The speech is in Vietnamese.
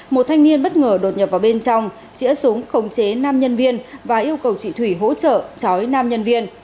một thanh niên bất ngờ đột nhập vào bên trong chĩa súng khống chế nam nhân viên và yêu cầu chị thủy hỗ trợ chói nam nhân viên